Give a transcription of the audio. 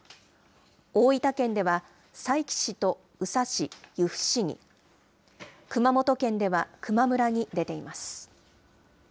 大分県では佐伯市と宇佐市、由布市に、熊本県では球磨村に出ています。